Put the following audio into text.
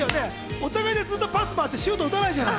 お互いにパスを回してシュートを打たないじゃない。